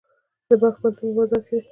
د بلخ پوهنتون په مزار کې دی